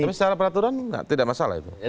tapi secara peraturan tidak masalah itu